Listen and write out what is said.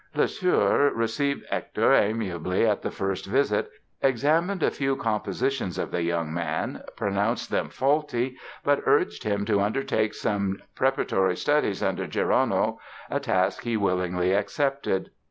Lesueur received Hector amiably at the first visit, examined a few compositions of the young man, pronounced them faulty but urged him to undertake some preparatory studies under Gerono, a task he willingly accepted.